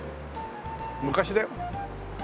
昔だよ。